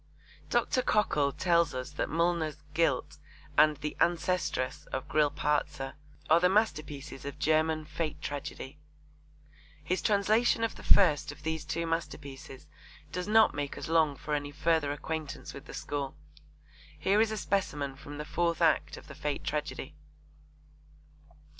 Dr. Cockle tells us that Mullner's Guilt and The Ancestress of Grillparzer are the masterpieces of German fate tragedy. His translation of the first of these two masterpieces does not make us long for any further acquaintance with the school. Here is a specimen from the fourth act of the fate tragedy.